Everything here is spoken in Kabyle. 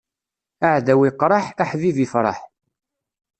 Aɛdaw iqṛeḥ, aḥbib ifṛeḥ.